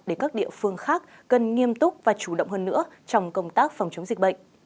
để các địa phương khác cần nghiêm túc và chủ động hơn nữa trong công tác phòng chống dịch bệnh